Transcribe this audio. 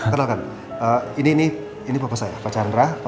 kenalkan ini bapak saya pak chandra